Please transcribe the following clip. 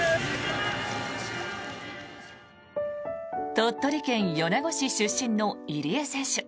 鳥取県米子市出身の入江選手。